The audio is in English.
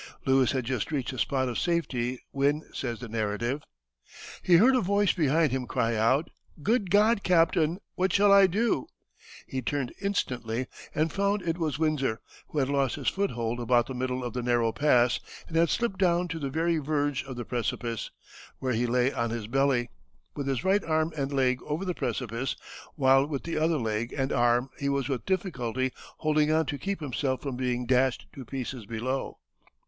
Lewis had just reached a spot of safety when, says the narrative, "He heard a voice behind him cry out, 'Good God, Captain, what shall I do?' He turned instantly and found it was Windsor, who had lost his foothold about the middle of the narrow pass and had slipped down to the very verge of the precipice, where he lay on his belly, with his right arm and leg over the precipice, while with the other leg and arm he was with difficulty holding on to keep himself from being dashed to pieces below.